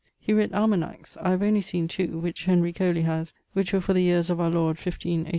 He writt Almanacks I have only seen two, which Henry Coley haz, which were for the yeares of our Lord 15.